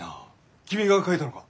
君が描いたのか？